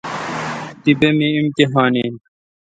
تی پہ می امتحان این۔